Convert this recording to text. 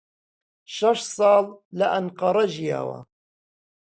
شەش ساڵ لە ئەنقەرە ژیاوە.